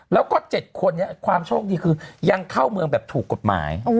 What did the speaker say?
แล้วก็๗คนนี้ความโชคดีคือยังเข้าเมืองแบบถูกกฎหมาย